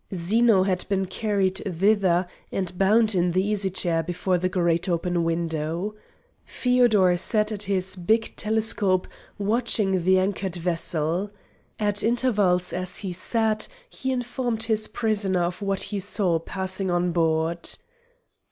Zeno had been carried thither and bound in the easy chair before the great open window. Feodor sat at his big telescope watching the anchored vessel. At intervals as he sat he informed his prisoner of what he saw passing on board.